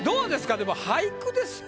でも俳句ですよ。